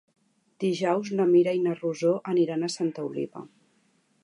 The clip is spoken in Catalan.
Dijous na Mira i na Rosó aniran a Santa Oliva.